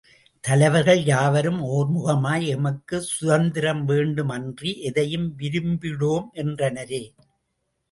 தலைவர்கள் யாவரும் ஒர்முகமாய், எமக்குச் சுதந்திரம் வேண்டுமன்றி எதையும் விரும்பிடோம் என்றனரே.